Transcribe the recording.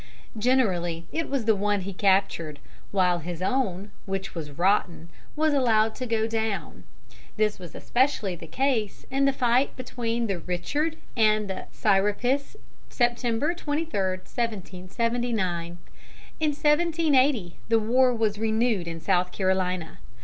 Generally it was the one he captured, while his own, which was rotten, was allowed to go down. This was especially the case in the fight between the Richard and the Serapis, September 23, 1779. In 1780 the war was renewed in South Carolina.